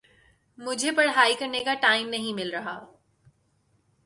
مجھے پڑھائی کرنے کا ٹائم نہیں مل رہا